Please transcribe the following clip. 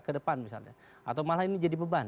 kedepan misalnya atau malah ini jadi beban